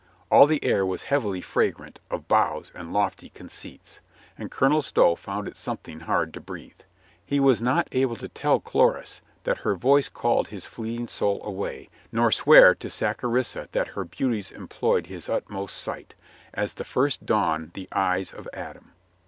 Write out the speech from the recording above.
All the air was heavily fragrant of bows and lofty conceits, and Colonel Stow found it some thing hard to breathe. He was not able to tell Chloris that her voice called his fleeting soul away, nor swear to Saccharissa that her beauties employed his utmost sight, as the first dawn the eyes of Adam.